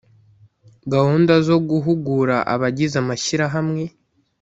gahunda zo guhugura abagize amashyirahamwe